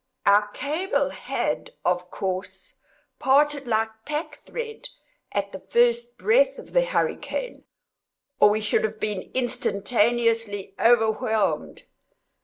Our cable had, of course, parted like pack thread, at the first breath of the hurricane, or we should have been instantaneously overwhelmed.